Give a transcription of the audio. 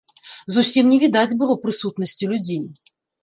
Зусім не відаць было прысутнасці людзей.